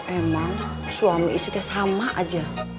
emang suami isinya sama saja